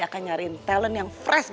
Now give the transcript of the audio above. luis ongo berjalan nikisha